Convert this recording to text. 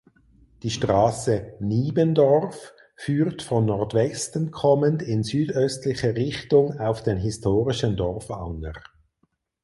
Die Straße "Niebendorf" führt von Nordwesten kommend in südöstlicher Richtung auf den historischen Dorfanger.